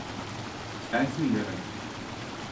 Sensin demek.